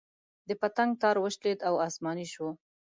د پتنګ تار وشلېد او اسماني شو.